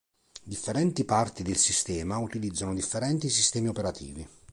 Differenti parti del sistema utilizzano differenti sistemi operativi.